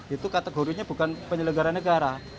itu kategorinya bukan penyelenggara negara